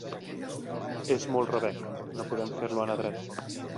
És molt rebec: no podem fer-lo anar dret!